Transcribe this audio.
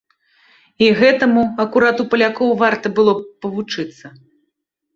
І гэтаму акурат у палякаў варта было б павучыцца!